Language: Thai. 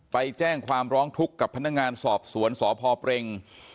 ไปแจ้งความร้องทุกข์กับพนักงานสอบสวนสพเปรง